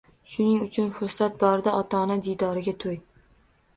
Shuning uchun fursat borida ota-ona diydoriga to‘y